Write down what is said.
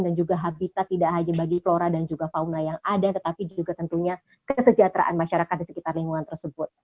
dan juga habitat tidak hanya bagi flora dan juga fauna yang ada tetapi juga tentunya kesejahteraan masyarakat di sekitar lingkungan tersebut